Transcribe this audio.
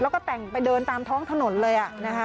แล้วก็แต่งไปเดินตามท้องถนนเลย